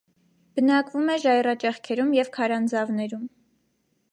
Բնակվում է ժայռաճեղքերում և քարանձավներում։